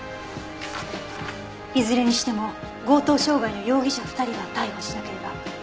いずれにしても強盗傷害の容疑者２人は逮捕しなければ。